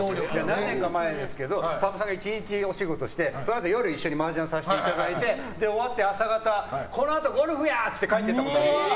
何年か前ですけどさんまさんと１日お仕事してそのあと夜、一緒に麻雀をさせていただいて終わって明け方にこのあとゴルフや！って帰って行ったことある。